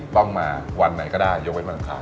ต้องมาวันไหนก็ได้ยกไว้บรรยากาศ